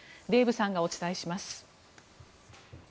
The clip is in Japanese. デーブさんがお伝えします。